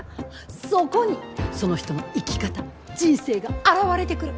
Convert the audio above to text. そこにその人の生き方人生が表れてくる。